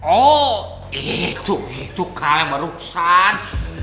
oh itu itu kal yang beruksan